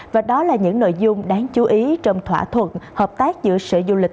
và đó là những nội dung đáng chú ý trong thỏa thuận hợp tác giữa sở du lịch